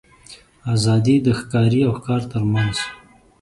آزادي د ښکاري او ښکار تر منځ.